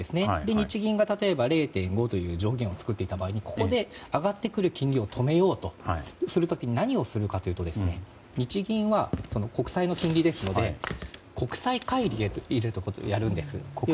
日銀が例えば、０．５という上限を作っていた場合にここで上がってくる金利を止めようとする時に何をするかというと日銀は国債の金利ですので国債買い入れをやるんです。